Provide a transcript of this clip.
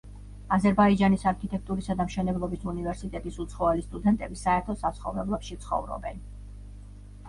აზერბაიჯანის არქიტექტურისა და მშენებლობის უნივერსიტეტის უცხოელი სტუდენტები საერთო საცხოვრებლებში ცხოვრობენ.